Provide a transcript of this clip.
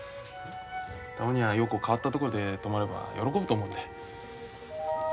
たまには陽子変わった所で泊まれば喜ぶと思うんだ。